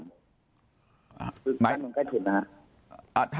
คือกั้นตรงใกล้ถุ่นนะครับ